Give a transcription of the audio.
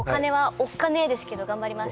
ですけど頑張ります。